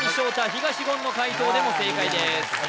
東言の解答でも正解ですあ